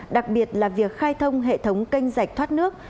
đặc biệt là việc khai thông hệ thống kênh dạy thoát nước